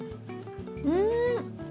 うん！